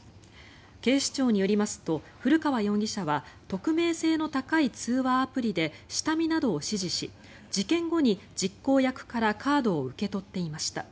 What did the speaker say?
警視庁によりますと古川容疑者は匿名性の高い通話アプリで下見などを指示し事件後に実行役からカードを受け取っていました。